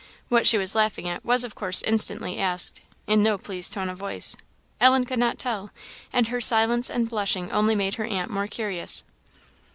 What she was laughing at, was of course instantly asked, in no pleased tone of voice. Ellen could not tell; and her silence and blushing only made her aunt more curious.